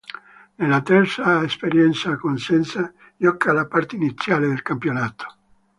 Nella terza esperienza a Cosenza, gioca la parte iniziale del campionato.